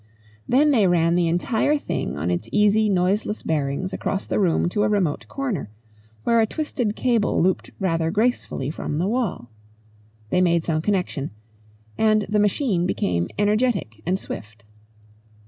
Then they ran the entire thing on its easy, noiseless bearings across the room to a remote corner where a twisted cable looped rather gracefully from the wall. They made some connexion and the machine became energetic and swift.